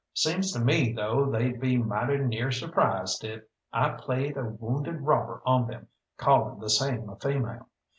Seems to me, though, they'd be mighty near surprised if I played a wounded robber on them, calling the same a female.